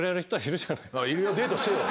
デートしてよ。